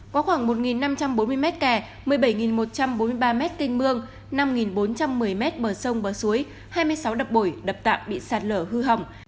có khoảng một năm trăm bốn mươi mét kè một mươi bảy một trăm bốn mươi ba mét canh mương năm bốn trăm một mươi m bờ sông bờ suối hai mươi sáu đập bồi đập tạm bị sạt lở hư hỏng